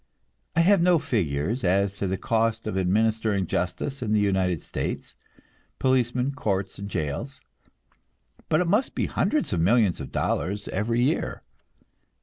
I have no figures as to the cost of administering justice in the United States policemen, courts and jails but it must be hundreds of millions of dollars every year.